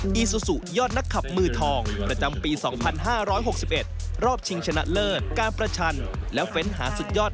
เดี๋ยวพักกันแค่ครู่เดียวเท่านั้นครับ